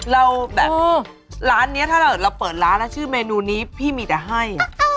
เราแบบร้านนี้ถ้าเกิดเราเปิดร้านแล้วชื่อเมนูนี้พี่มีแต่ให้